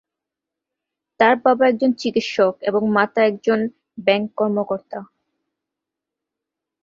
তার বাবা একজন চিকিৎসক এবং মাতা একজন ব্যাংক কর্মকর্তা।